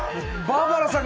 バーバラ！